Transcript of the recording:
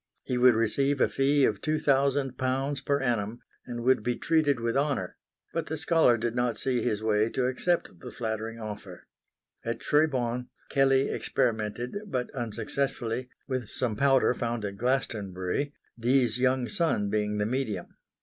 He would receive a fee of two thousand pounds per annum and would be treated with honour; but the scholar did not see his way to accept the flattering offer. At Tribau, Kelley experimented, but unsuccessfully, with some powder found at Glastonbury, Dee's young son being the medium.